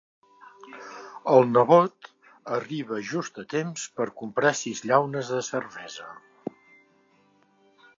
El nebot arriba just a temps per comprar sis llaunes de cervesa.